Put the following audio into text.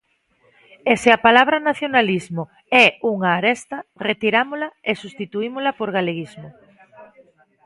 E se a palabra nacionalismo é unha aresta, retirámola e substituímola por galeguismo.